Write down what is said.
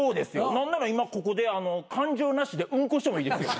何なら今ここで感情なしでうんこしてもいいですよ。